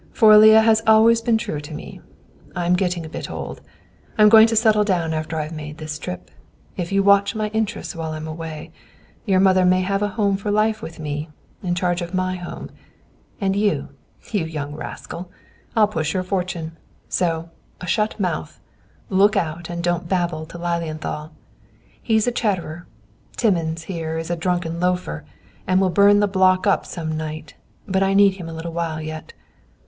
For Leah has always been true to me. I'm getting a bit old. I'm going to settle down after I've made this trip. If you watch my interests while I'm away, your mother may have a home for life with me, in charge of my home; and you, you young rascal, I'll push your fortune. So, a shut mouth; look out and don't babble to Lilienthal. He is a chatterer. Timmins, here, is a drunken loafer, and will burn the block up some night, but I need him a little while yet.